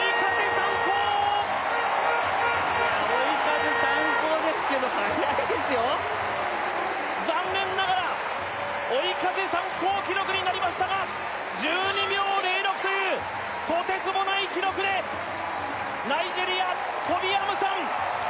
参考いや追い風参考ですけど速いですよ残念ながら追い風参考記録になりましたが１２秒０６というとてつもない記録でナイジェリアトビ・アムサン